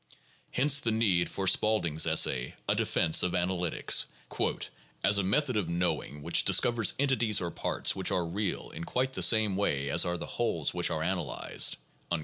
Hence the need for Spaulding's essay, "A Defence of Analysis," "as a method of knowing which discovers entities or parts which are real in quite the same sense as are the wholes which are analyzed " (p.